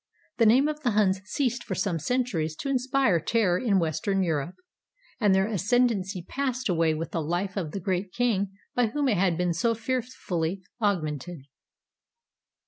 The name of the Huns ceased for some centuries to inspire terror in Western Europe, and their ascendancy passed away with the life of the great king by whom it had been so fearfully augmented.